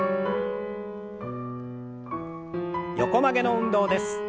横曲げの運動です。